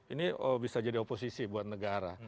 ini bisa jadi oposisi buat negara